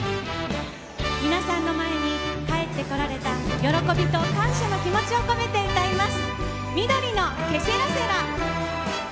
皆さんの前に帰ってこられた喜びと感謝の気持ちを込めて歌います。